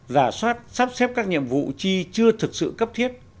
giả soát sắp xếp các nhiệm vụ chi chưa thực sự cấp thiết